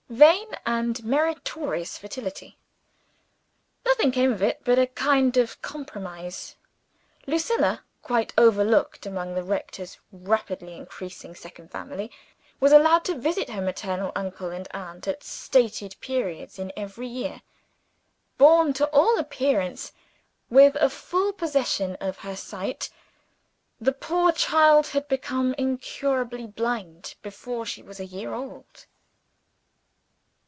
Vain and meritorious fertility! Nothing came of it, but a kind of compromise. Lucilla, quite overlooked among the rector's rapidly increasing second family, was allowed to visit her maternal uncle and aunt at stated periods in every year. Born, to all appearance with the full possession of her sight, the poor child had become incurably blind before she was a year old.